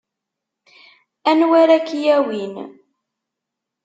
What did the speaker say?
Anwa ara k-yawin?